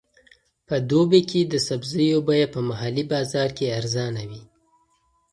په دوبي کې د سبزیو بیه په محلي بازار کې ارزانه وي.